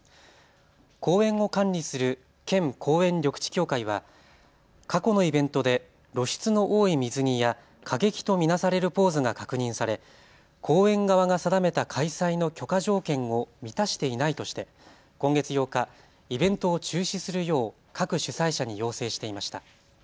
公園を管理する県公園緑地協会は過去のイベントで露出の多い水着や過激とみなされるポーズが確認され、公園側が定めた開催の許可条件を満たしていないとして今月８日、イベントを中止するよう各主催者に要請していました。